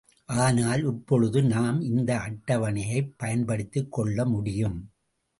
ஆனால், இப்பொழுது நாம் இந்த அட்டவணையைப் பயன்படுத்திக் கொள்ள முடியும்.